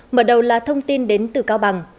mở đầu là thông tin đến từ cao bằng